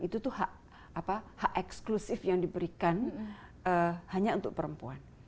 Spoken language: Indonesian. itu tuh hak eksklusif yang diberikan hanya untuk perempuan